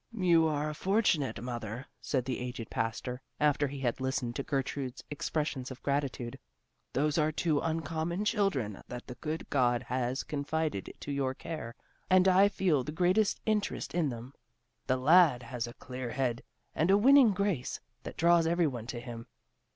"You are a fortunate mother," said the aged pastor, after he had listened to Gertrude's expressions of gratitude. "Those are two uncommon children that the good God has confided to your care, and I feel the greatest interest in them. The lad has a clear head, and a winning grace that draws everyone to him.